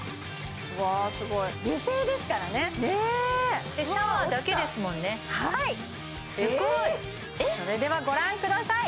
油性ですからねシャワーだけですもんねすごい！それではご覧ください